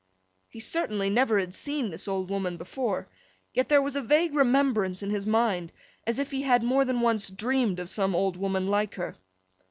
He certainly never had seen this old woman before. Yet there was a vague remembrance in his mind, as if he had more than once dreamed of some old woman like her.